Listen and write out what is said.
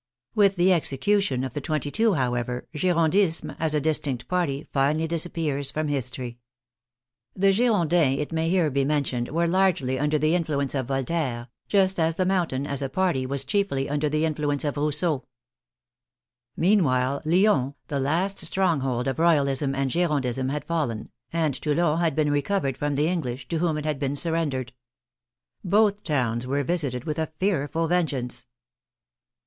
With the execution of the twenty two, however, Girondism, as a distinct party, finally disappears from history. The Girondins, it may here be mentioned, were largely under the in fluence of Voltaire, just as the Mountain as a party was chiefly under the influence of Rousseau. Meanwhile Lyons, the last stronghold of Royalism and Girondism had fallen, and Toulon had been recovered from the English, to whom it had been surrendered. THE TERROR 79 Both towns were visited with a fearful vengeance.